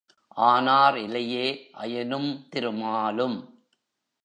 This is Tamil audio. ஆனார் இலையே அயனும் திருமாலும்?